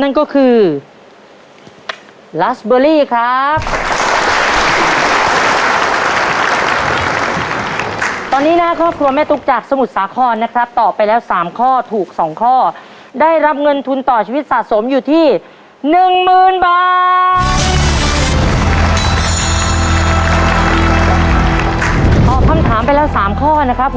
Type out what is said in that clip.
หนูคิดว่าต้องเป็นแยมอันที่สองแน่เลยค่ะ